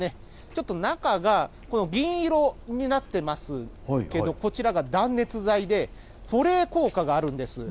ちょっと中が銀色になってますけど、こちらが断熱材で、保冷効果があるんです。